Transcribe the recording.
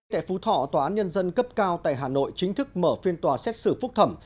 tại phú thọ tòa án nhân dân cấp cao tại hà nội chính thức mở phiên tòa xét xử phúc thẩm